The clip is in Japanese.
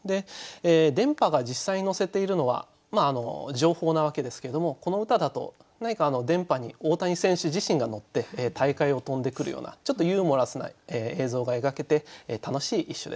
電波が実際に乗せているのは情報なわけですけどもこの歌だと何か電波に大谷選手自身が乗って大海を飛んでくるようなちょっとユーモラスな映像が描けて楽しい一首です。